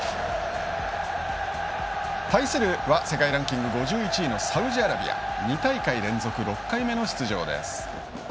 対するは、世界ランキング５１位のサウジアラビア２大会連続６回目の出場です。